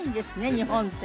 日本ってね